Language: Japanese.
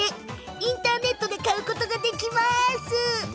インターネットで買うことができます。